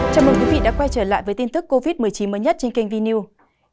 chào mừng quý vị đã quay trở lại với tin tức covid một mươi chín mới nhất trên kênh vil